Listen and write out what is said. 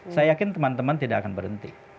saya yakin teman teman tidak akan berhenti